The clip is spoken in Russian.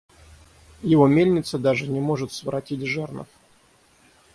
Его мельница даже не может своротить жернов.